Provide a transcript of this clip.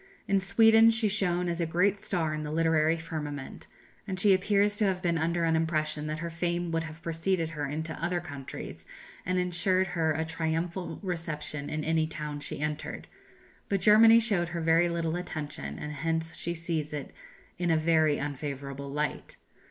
In Sweden she shone as a great star in the literary firmament; and she appears to have been under an impression that her fame would have preceded her into other countries, and ensured her a triumphal reception in any town she entered; but Germany showed her very little attention, and hence she sees it in a very unfavourable light.